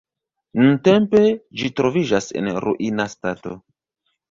Nuntempe ĝi troviĝas en ruina stato.